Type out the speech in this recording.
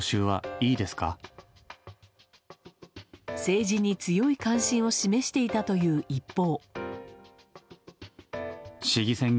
政治に強い関心を示していたという一方。